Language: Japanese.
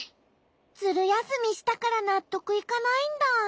ズルやすみしたからなっとくいかないんだ。